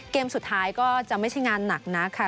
เกมสุดท้ายก็จะไม่ใช่งานหนักนักค่ะ